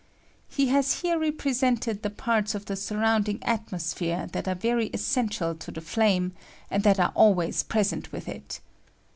He has here represented the parts of the surrounding atmosphere that are very essential to the flame, and that are always present with it.